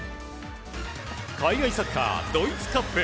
海外サッカードイツカップ。